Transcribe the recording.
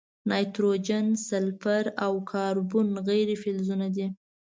نایتروجن، سلفر، او کاربن غیر فلزونه دي.